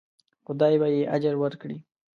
خدای به یې اجر ورکړي.